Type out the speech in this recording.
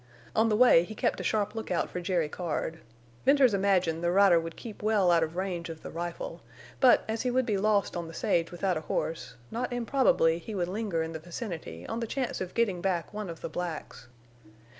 On the way he kept a sharp lookout for Jerry Card. Venters imagined the rider would keep well out of range of the rifle, but, as he would be lost on the sage without a horse, not improbably he would linger in the vicinity on the chance of getting back one of the blacks.